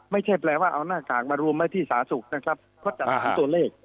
ไม่ใช่แปลว่าเอาหน้ากากมารวมไว้ที่สาธารณสุขนะครับเพราะจัดหาตัวเลข